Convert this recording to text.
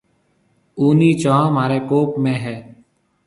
اُونَي چونه مهاريَ ڪوم ۾ هيَ۔